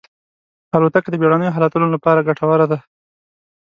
الوتکه د بېړنیو حالتونو لپاره ګټوره ده.